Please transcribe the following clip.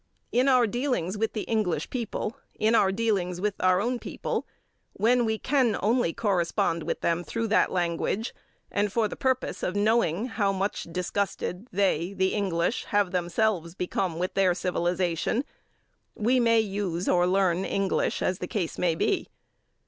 In our dealings with the English people, in our dealings with our own people, when we can only correspond with them through that language, and for the purpose of knowing how much disgusted they (the English) have themselves become with their civilization, we may use or learn English, as the case may be.